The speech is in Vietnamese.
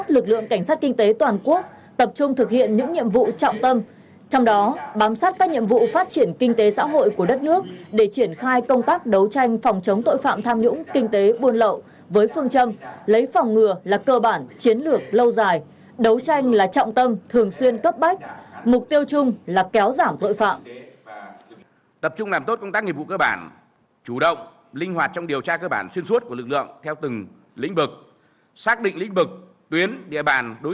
lực lượng cảnh sát kinh tế đã đồng hành có những đóng góp rất quan trọng bảo đảm môi trường sản xuất kinh tế xã hội